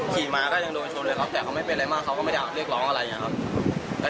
ขี่มาก็ยังโดนชนนะครับใครเขามีเป็นไรหรืออะไรเขาไม่ได้อภัยยาก่ออะไร